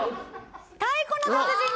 『太鼓の達人』です！